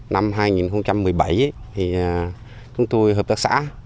năm hai nghìn một mươi bảy thì chúng tôi hợp tác xã